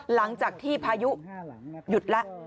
หลังจากที่พายุหยุดแล้ว